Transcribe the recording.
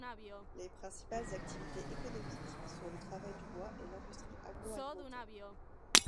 Les principales activités économiques sont le travail du bois et l'industrie agroalimentaire.